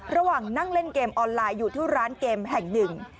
ระหว่างนั่งเล่นเกมออนไลน์อยู่ที่ร้านเกมแห่งหนึ่ง